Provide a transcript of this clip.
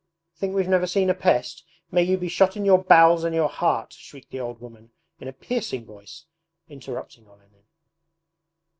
Think we've never seen a pest! May you be shot in your bowels and your heart!' shrieked the old woman in a piercing voice, interrupting Olenin.